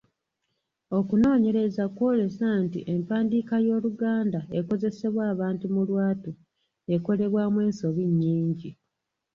Okunoonyereza kwolese nti empandiika y'Oluganda ekozesebwa abantu mu lwatu ekolebwamu ensobi nnyingi.